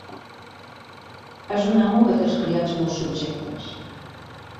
És un amo que té els criats molt subjectes.